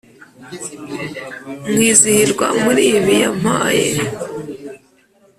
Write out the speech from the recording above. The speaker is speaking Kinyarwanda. nkizihirwa muri ibi yampaye